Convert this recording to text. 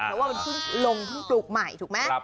เพราะว่ามันเพิ่งลงเพิ่งปลูกใหม่ถูกไหม